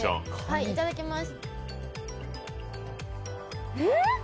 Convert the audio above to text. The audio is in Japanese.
いただきます。